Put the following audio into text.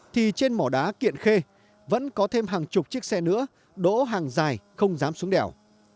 thì trên mỏ đá kiện khê vẫn có thêm hàng chục chiếc xe nữa đỗ hàng dài không dám xuống đèo